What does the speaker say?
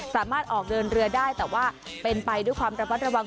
สามารถออกเดินเรือได้แต่ว่าเป็นไปด้วยความระมัดระวัง